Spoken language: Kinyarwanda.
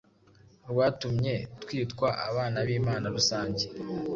rwatumye twitwa abana b’Imana rusange.